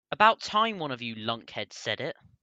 About time one of you lunkheads said it.